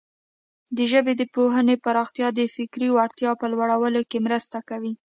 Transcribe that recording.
د ژبې د پوهې پراختیا د فکري وړتیاوو په لوړولو کې مرسته کوي.